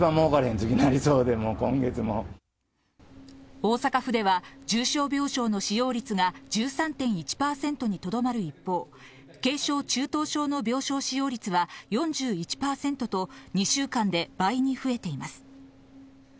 大阪府では重症病床の使用率が１３．１％にとどまる一方、軽症・中等症の病床使用率は４１％と２週間で倍に増えています。